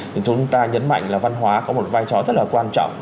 thì chúng ta nhấn mạnh là văn hóa có một vai trò rất là quan trọng